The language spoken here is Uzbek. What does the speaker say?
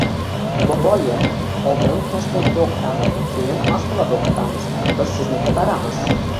boboev. — Oldin Toshkentda o‘qitamiz, keyin Moskvada o‘qitamiz. Biz sizni ko‘taramiz!